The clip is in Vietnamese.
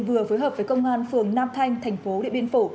vừa phối hợp với công an phường nam thanh thành phố điện biên phủ